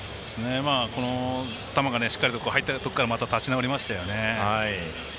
この球がしっかりと入っていることからまた立ち直りましたよね。